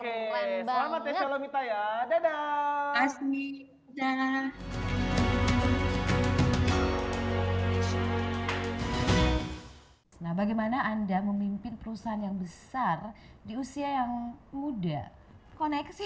ya dadah asmi dan nah bagaimana anda memimpin perusahaan yang besar di usia yang muda koneksi